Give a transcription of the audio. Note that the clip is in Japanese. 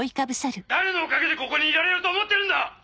誰のおかげでここにいられると思ってるんだ！